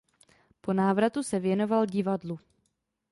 Po návratu se věnoval divadlu.